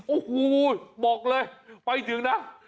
โอ้โหบอกเลยไปถึงนะ